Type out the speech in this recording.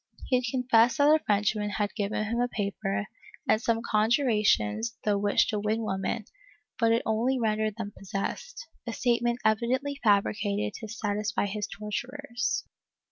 He had confessed that a Frenchman had given him a paper and some conjurations through which to win women, but it only rendered them possessed — a statement evidently fabricated to satisfy his torturers.